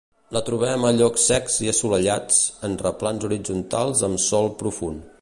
La trobem a llocs secs i assolellats en replans horitzontals amb sòl profund.